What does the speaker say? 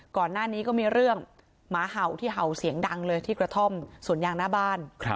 ก่อนหน้านี้ก็มีเรื่องหมาเห่าที่เห่าเสียงดังเลยที่กระท่อมสวนยางหน้าบ้าน